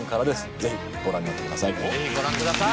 ぜひご覧になってください。